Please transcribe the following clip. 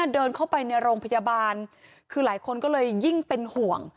เดินเข้าไปในโรงพยาบาลคือหลายคนก็เลยยิ่งเป็นห่วง